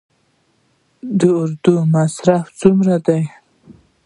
د اردو مصارف څومره دي؟